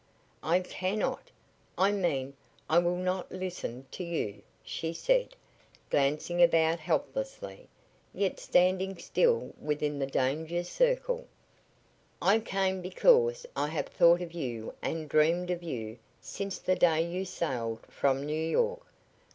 "I cannot! I mean, I will not listen to you," she said, glancing about helplessly, yet standing still within the danger circle. "I came because I have thought of you and dreamed of you since the day you sailed from New York.